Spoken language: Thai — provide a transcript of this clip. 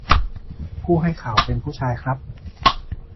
ผู้ให้ข่าวเป็นผู้ชายครับ